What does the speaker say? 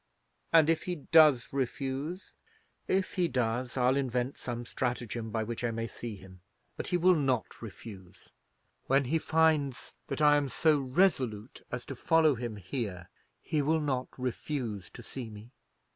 "And if he does refuse——" "If he does, I'll invent some stratagem by which I may see him. But he will not refuse. When he finds that I am so resolute as to follow him here, he will not refuse to see me."